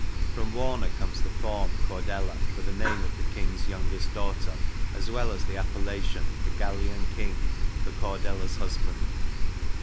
From Warner comes the form * Cordelia ' for the name of the King's youngest daughter, as well as the appellation * the Gallian King ' for Cordelia's husband.